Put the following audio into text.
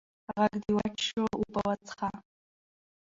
غږ دې وچ شو اوبه وڅښه!